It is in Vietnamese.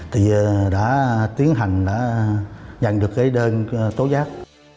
thì đã tiến hành đã nhận được cái đơn tố giác